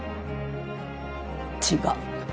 違う。